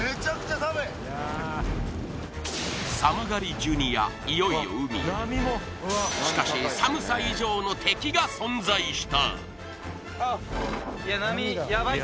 寒がりジュニアしかし寒さ以上の敵が存在した！